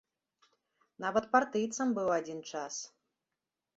Нават партыйцам быў адзін час.